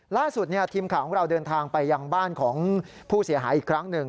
ล่าสุดทีมข่าวของเราเดินทางไปยังบ้านของผู้เสียหายอีกครั้งหนึ่ง